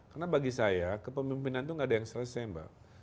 karena bagi saya kepemimpinan itu tidak ada yang selesai mbak